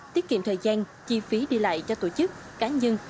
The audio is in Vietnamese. tiết kiệm thời gian chi phí đi lại cho tổ chức cá nhân